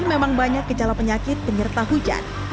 memang banyak kejala penyakit penyerta hujan